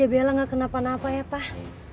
semoga aja bella gak kena panah apa ya pak